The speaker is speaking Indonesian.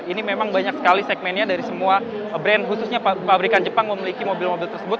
ini memang banyak sekali segmennya dari semua brand khususnya pabrikan jepang memiliki mobil mobil tersebut